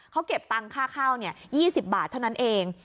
เขาเก็บตังค่าเข้า๒๐บาทเท่านั้นเอง